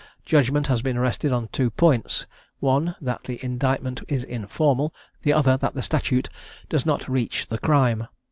Judgment has been arrested on two points, one that the indictment is informal, the other that the statute does not reach the crime.